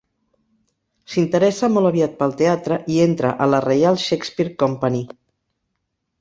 S'interessa molt aviat pel teatre i entra a la Reial Shakespeare Company.